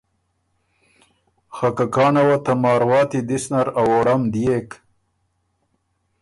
خه که کانه وه ته مارواتی دِس نر ا ووړم دئېک